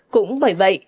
cũng bởi vậy